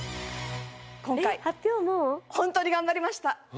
今回ホントに頑張りました。